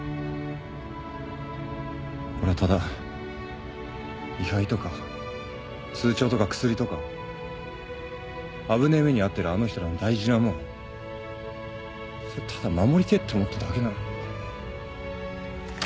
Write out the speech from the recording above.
俺はただ位牌とか通帳とか薬とか危ねえ目に遭ってるあの人らの大事なもんそれただ守りてえって思っただけなのに。